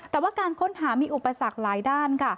แต่ว่าการค้นหามีอุปสรรคหลายด้านค่ะ